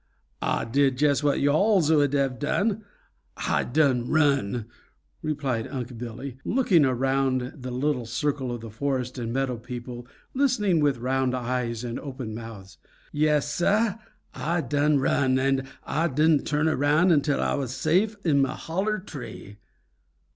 Ah did just what yo'alls would have done, Ah done run!" replied Unc' Billy, looking around the little circle of forest and meadow people, listening with round eyes and open mouths. "Yes, Sah, Ah done run, and Ah didn't turn around until Ah was safe in mah holler tree."